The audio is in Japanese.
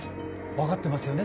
分かってますよね？